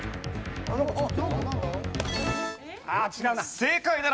あ違うな。